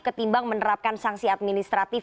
ketimbang menerapkan sanksi administratif